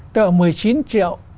tôi bảo một mươi chín triệu